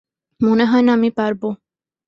মনে হয় না আমি পারবো।